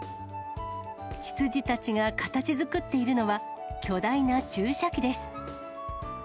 羊たちが形づくっているのは、巨大な注射器です。